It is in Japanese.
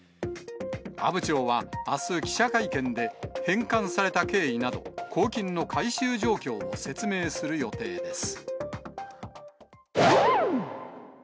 阿武町はあす、記者会見で、返還された経緯など、公金の回収状況を説明する予定です。